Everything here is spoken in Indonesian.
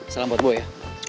salam buat boy ya